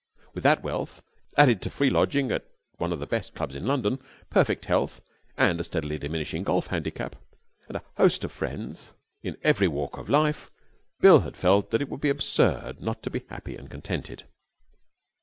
With that wealth, added to free lodging at one of the best clubs in London, perfect health, a steadily diminishing golf handicap, and a host of friends in every walk of life, Bill had felt that it would be absurd not to be happy and contented.